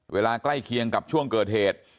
ใกล้เคียงกับช่วงเกิดเหตุ